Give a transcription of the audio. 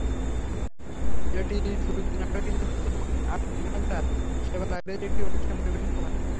এটি শ্রুতিনাটক হিসেবে প্রথম আটলান্টার সেবা লাইব্রেরির একটি অনুষ্ঠানে পরিবেশিত হয়।